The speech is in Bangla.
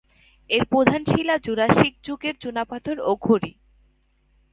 এর প্রধান শিলা জুরাসিক যুগের চুনাপাথর ও খড়ি।